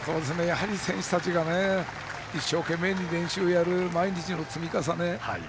選手たちが一生懸命に練習をやる毎日の積み重ね。